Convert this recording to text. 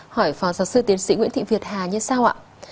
hỏi phó giáo sư tiến sĩ nguyễn thị việt hà như sao ạ